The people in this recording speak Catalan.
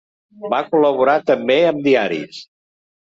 Va col·laborar també amb diaris.